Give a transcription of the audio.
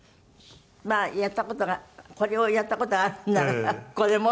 まあやった事がこれをやった事があるんならこれも。